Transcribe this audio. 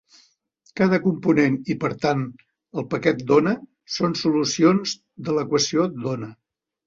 Cada component i per tant el paquet d'ona són solucions de l'equació d'ona.